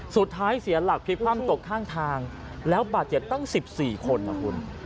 สุดท้ายเสียหลักผิดความตกข้างทางแล้วบาดเจ็ดตั้ง๑๔คน